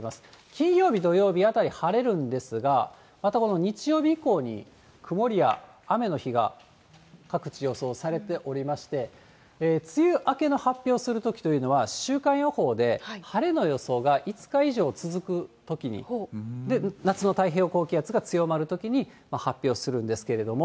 金曜日、土曜日あたり晴れるんですが、またこの日曜日以降に曇りや雨の日が各地予想されておりまして、梅雨明けの発表するときというのは、週間予報で晴れの予想が５日以上続くときに、夏の太平洋高気圧が強まるときに発表するんですけれども。